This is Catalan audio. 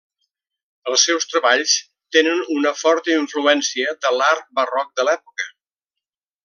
Els seus treballs tenen una forta influència de l'art barroc de l'època.